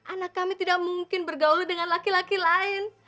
anak kami tidak mungkin bergaul dengan laki laki lain